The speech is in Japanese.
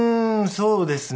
そうですね。